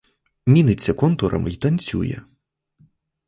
Міниться контурами й танцює.